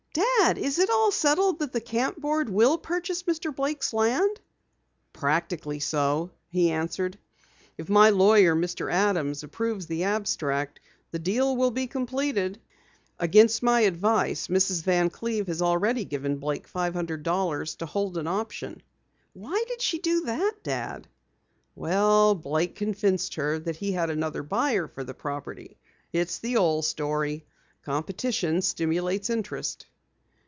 "Dad, is it all settled that the camp board will purchase Mr. Blake's land?" "Practically so," he answered. "If my lawyer, Mr. Adams, approves the abstract, the deal will be completed. Against my advice Mrs. Van Cleve already has given Blake five hundred dollars to hold an option." "Why did she do that, Dad?" "Well, Blake convinced her he had another buyer for the property. It's the old story. Competition stimulates interest."